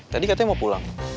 tadi katanya mau pulang